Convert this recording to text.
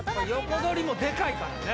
横取りもデカいからね